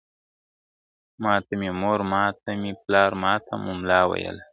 ماته مي مور ماته مي پلار ماته مُلا ویله ..